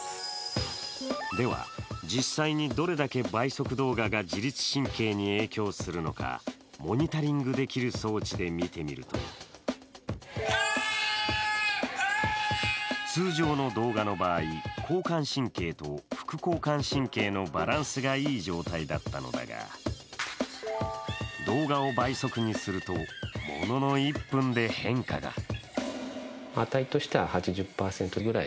では実際にどれだけ倍速動画が自律神経に影響するのかモニタリングできる装置で見てみると通常の動画の場合、交感神経と副交感神経のバランスがいい状態だったのだが、動画を倍速にすると、ものの１分で変化が。